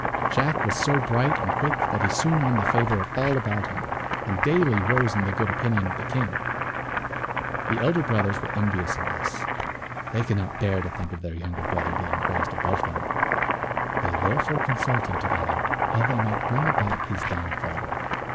Jack was so bright and quick that he soon won the favor of all about him, and daily rose in the good opinion of the king. The elder brothers were envious of this. They could not bear to think of their younger brother being raised above them. They therefore consulted together how they might bring about his down fall.